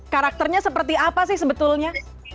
karakternya seperti apa sih sebetulnya